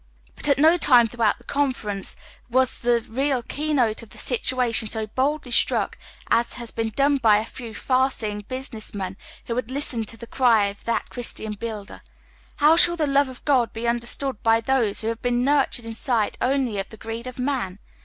But at no time throughout the con ference was the real key note of the situation so boldly struck as has been done by a few far seeing business men, who had listened to the cry of that Christian builder :" How shall the love of God be understood by those who have been nurtured in sight only of the greed of man